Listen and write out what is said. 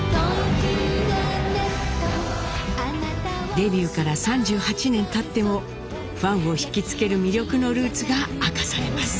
デビューから３８年たってもファンを引き付ける魅力のルーツが明かされます。